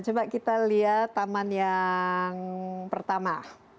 coba kita lihat taman yang pertama